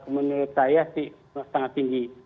menurut saya sangat tinggi